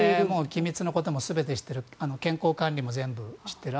機密のことも全て知っている健康管理も全部知っている。